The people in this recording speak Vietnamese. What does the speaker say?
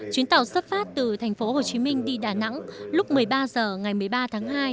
chuyến tàu xuất phát từ tp hcm đi đà nẵng lúc một mươi ba h ngày một mươi ba tháng hai